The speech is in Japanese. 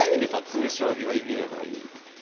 詰将棋は意味がない。